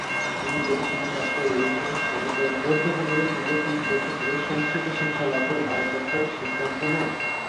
তিনি 'ব্রোগ-মি-শাক্য-য়ে-শেস নামক এক বৌদ্ধ পন্ডিতের নিকটে তিন বছর ধরে সংস্কৃত শিক্ষা লাভ করে ভারত যাত্রার সিদ্ধান্ত নেন।